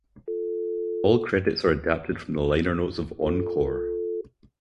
All credits are adapted from the liner notes of "Encore".